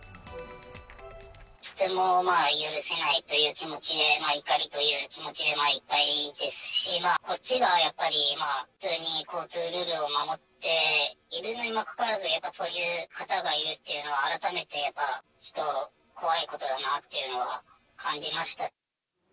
とても許せないという気持ちで、怒りという気持ちでいっぱいですし、こっちがやっぱり普通に交通ルールを守っているのにもかかわらず、やっぱりこういう方がいるっていうのは、改めてやっぱ、ちょっと怖いことだなというのは感じました。